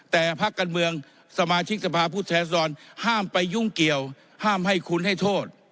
แต่พักการเมืองสมาชิกสภาพผู้แทนสดรห้ามไปยุ่งเกี่ยวห้ามให้คุณให้โทษ